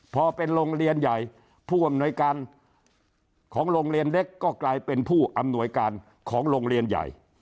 พอเป็นโรงเรียนใหญ่ผู้อำนวยการของโรงเรียนเล็กก็กลายเป็นผู้อำนวยการของโรงเรียนใหญ่